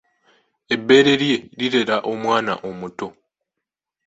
Ebbeere lye lirera omwana omuto.